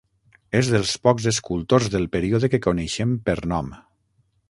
És dels pocs escultors del període que coneixem per nom.